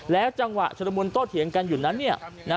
และจังหวะสมมุติโต้เถียงกันอยู่นั้น